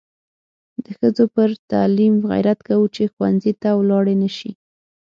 د ښځو پر تعلیم غیرت کوو چې ښوونځي ته ولاړې نشي.